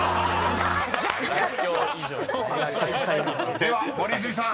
では森泉さん］